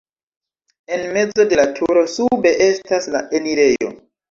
En mezo de la turo sube estas la enirejo.